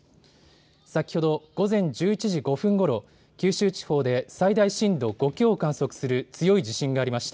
先ほど午前１１時５分ごろ、九州地方で最大震度５強を観測する強い地震がありました。